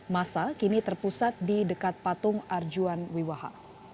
masa kini terpusat di dekat patung arjuan wiwaha